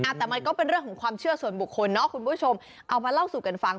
แต่มันก็เป็นเรื่องของความเชื่อส่วนบุคคลเนอะคุณผู้ชมเอามาเล่าสู่กันฟัง